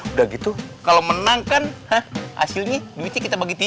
udah gitu kalau menang kan hasilnya duitnya kita bagi tiga